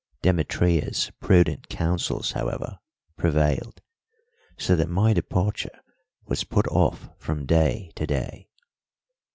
Demetria's prudent counsels, however, prevailed, so that my departure was put off from day to day.